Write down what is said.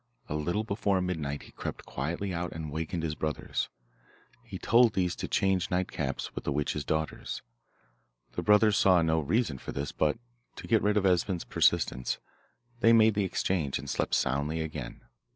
A little before midnight he crept quietly out and wakened his brothers. He told these to change night caps with the witch's daughters. The brothers saw no reason for this, but, to get rid of Esben's persistence, they made the exchange, and slept soundly again.